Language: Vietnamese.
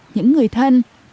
những người thân